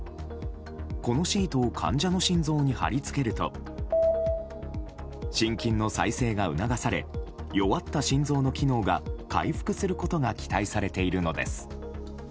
このシートを患者の心臓に貼り付けると心筋の再生が促され弱った心臓の機能が回復することが期待されているのです。